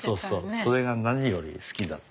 それが何より好きだった。